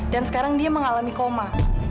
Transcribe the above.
dan sekarang dia mengalami koma